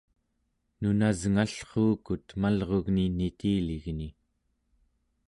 nunasngallruukut malrugni nitiligni